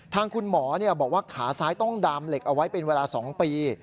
ทางคุณหมอบอกว่าขาซ้ายต้องดามเหล็กเอาไว้เป็นเวลา๒ปี